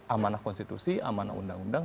amanah konstitusi amanah undang undang